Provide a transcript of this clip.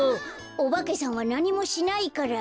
オバケさんはなにもしないから。